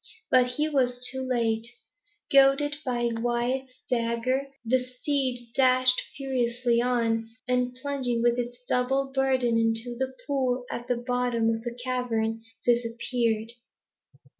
But he was too late. Goaded by Wyat's dagger, the steed dashed furiously on, and plunging with its double burden into the pool at the bottom of the cavern, disappeared.